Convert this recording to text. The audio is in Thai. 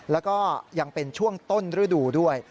แล้วก็ยังเป็นช่วงต้นฤดูด้วย